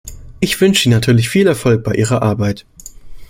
Ich wünsche Ihnen natürlich viel Erfolg bei Ihrer Arbeit.